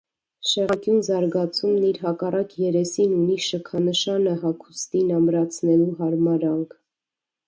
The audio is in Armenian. Շեղանկյուն զարգացումն իր հակառակ երեսին ունի շքանշանը հագուստին ամրացնելու հարմարանք։